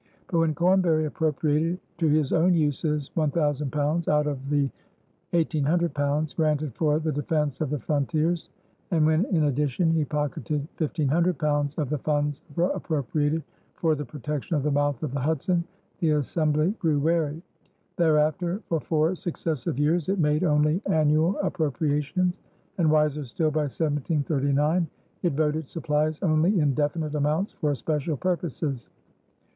But when Cornbury appropriated to his own uses £1000 out of the £1800 granted for the defense of the frontiers and when in addition he pocketed £1500 of the funds appropriated for the protection of the mouth of the Hudson, the Assembly grew wary. Thereafter for four successive years it made only annual appropriations, and, wiser still by 1739, it voted supplies only in definite amounts for special purposes.